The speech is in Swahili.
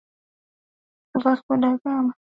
Vasco da Gama alirudi bara hindi mara mbili